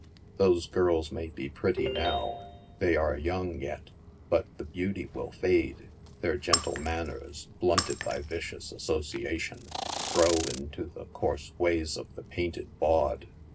Those girls may be pretty now ; they are young yet ; but the beauty will fade, their gentle manners, blunted by vicious association, grow into the coarse ways of the painted bawd.